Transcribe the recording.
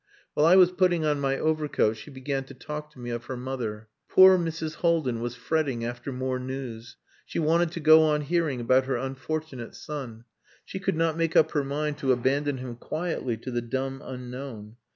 While I was putting on my overcoat she began to talk to me of her mother. Poor Mrs. Haldin was fretting after more news. She wanted to go on hearing about her unfortunate son. She could not make up her mind to abandon him quietly to the dumb unknown.